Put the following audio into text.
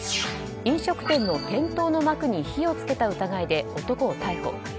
飲食店の店頭の幕に火を付けた疑いで男を逮捕。